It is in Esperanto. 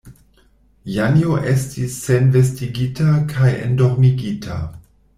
Janjo estis senvestigita kaj endormigita.